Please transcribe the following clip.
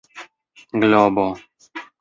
globo